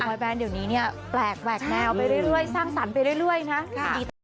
แบนเดี๋ยวนี้เนี่ยแปลกแหวกแนวไปเรื่อยสร้างสรรค์ไปเรื่อยนะ